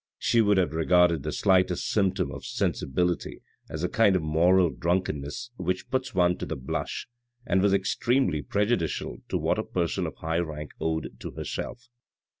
She would have regarded the slightest symptom of sensibility as a kind of moral drunkenness which puts one to the blush and was extremely prejudicial to what a person of high rank owed to herself.